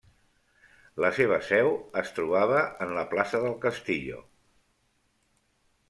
La seva seu es trobava en la plaça del Castillo.